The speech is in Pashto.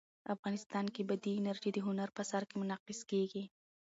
افغانستان کې بادي انرژي د هنر په اثار کې منعکس کېږي.